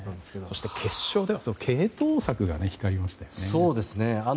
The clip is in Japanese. そして決勝ではその継投策が光りましたよね。